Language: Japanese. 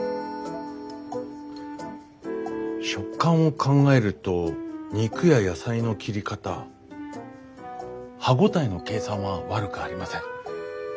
食感を考えると肉や野菜の切り方歯応えの計算は悪くありません。